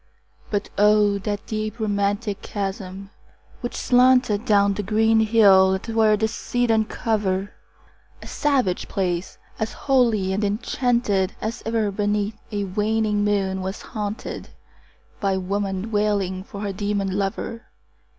But O, that deep romantic chasm which slanted Down the green hill athwart a cedarn cover! A savage place! as holy and enchanted As e'er beneath a waning moon was haunted 15 By woman wailing for her demon lover!